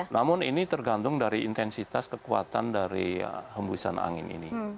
namun ini tergantung dari intensitas kekuatan dari hembusan angin ini